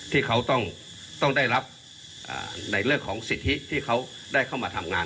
ที่เขาต้องได้รับในเรื่องของสิทธิที่เขาได้เข้ามาทำงาน